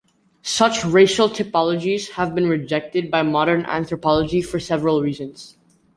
Such racial typologies have been rejected by modern anthropology for several reasons.